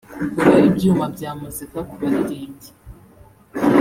kugura ibyuma byamuzika ku baririmbyi